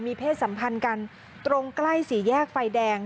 เพศสัมพันธ์กันตรงใกล้สี่แยกไฟแดง